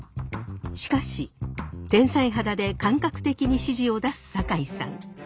しかし天才肌で感覚的に指示を出す酒井さん。